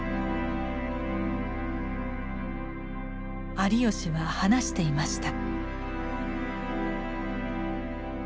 有吉は話していました。